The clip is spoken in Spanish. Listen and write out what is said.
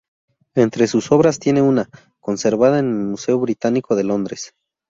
Entre sus obras tiene una, conservada en el Museo Británico de Londres.